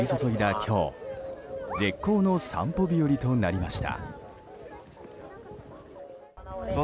今日絶好の散歩日和となりました。